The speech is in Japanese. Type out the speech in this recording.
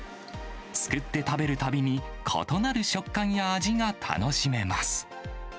すくって食べるたびに、異なる食感や味が楽しめます。